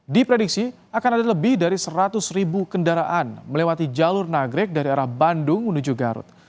diprediksi akan ada lebih dari seratus ribu kendaraan melewati jalur nagrek dari arah bandung menuju garut